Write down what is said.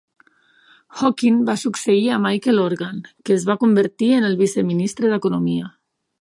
Hockin va succeir a Michael Horgan, que es va convertir en el viceministre d'Economia.